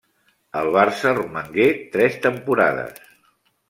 Al Barça romangué tres temporades.